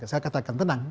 saya katakan tenang